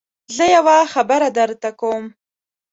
زه يوه خبره درته کوم.